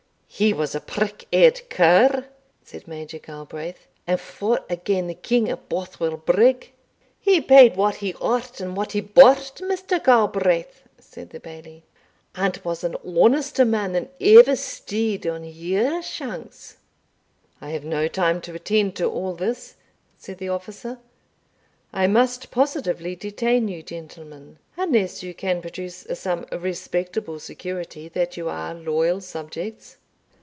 "He was a prick eared cur," said Major Galbraith, "and fought agane the King at Bothwell Brigg." "He paid what he ought and what he bought, Mr. Galbraith," said the Bailie, "and was an honester man than ever stude on your shanks." "I have no time to attend to all this," said the officer; "I must positively detain you, gentlemen, unless you can produce some respectable security that you are loyal subjects."